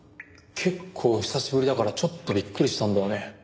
結構久しぶりだからちょっとびっくりしたんだよね。